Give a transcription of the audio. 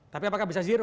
tapi apakah bisa